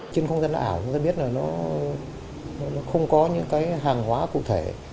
trên không gian ảo chúng ta biết là nó không có những cái hàng hóa cụ thể